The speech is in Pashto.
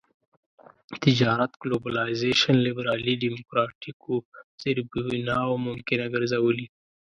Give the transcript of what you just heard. تجارت ګلوبلایزېشن لېبرالي ډيموکراټيکو زېربناوو ممکنه ګرځولي.